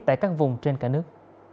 tại các vùng trên cả nước